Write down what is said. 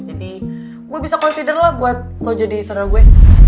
jadi gue bisa consider lah buat lo jadi saudara gue